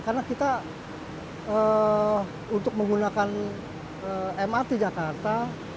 karena kita untuk menggunakan mrt jakarta